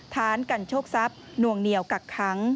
ฐานกันโชคทรัพย์นวงเหนียวกักค้าง